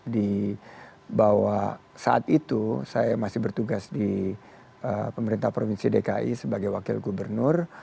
di bahwa saat itu saya masih bertugas di pemerintah provinsi dki sebagai wakil gubernur